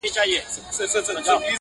هر وړوکی يې دريادی -